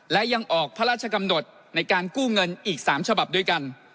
และยังออกพระราชกำหนดในการกู้เงินอีก๓ฉบับด้วยกัน